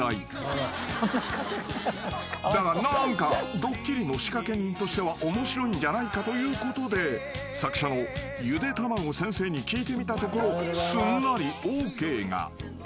［だが何かドッキリの仕掛け人としては面白いんじゃないかということで作者のゆでたまご先生に聞いてみたところすんなりＯＫが］